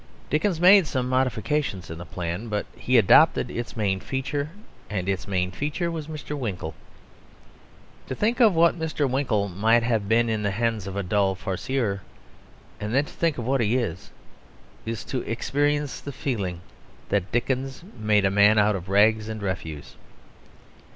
Dickens made some modifications in the plan, but he adopted its main feature; and its main feature was Mr. Winkle. To think of what Mr. Winkle might have been in the hands of a dull farceur, and then to think of what he is, is to experience the feeling that Dickens made a man out of rags and refuse.